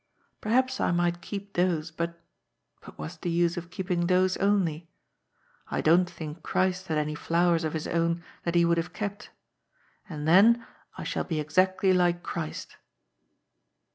Perhaps I might keep those, but — but what's the use of keeping those only ? I don't think Christ had any flowers of His own that He would have kept. And then I shall be exactly like Christ."